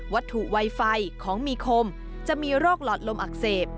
วัตถุไวไฟของมีคมจะมีโรคหลอดลมอักเสบ